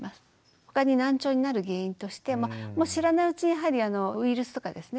他に難聴になる原因としては知らないうちにやはりウイルスとかですね